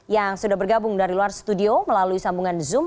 yang sudah bergabung dari luar studio melalui sambungan zoom